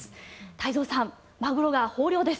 太蔵さん、マグロが豊漁です。